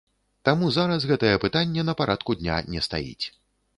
Таму зараз гэтае пытанне на парадку дня не стаіць.